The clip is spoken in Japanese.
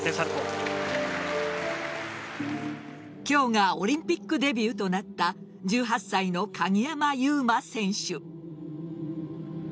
今日がオリンピックデビューとなった１８歳の鍵山優真選手。